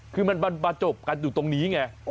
คือมันมาจบกันอยู่ตรงนี้ไง